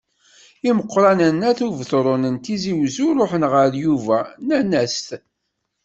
Imeqqranen n At Ubetṛun n Tizi Wezzu ṛuḥen ɣer Yuba, nnan-as-t.